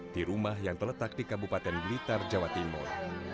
di rumah yang terletak di kabupaten blitar jawa timur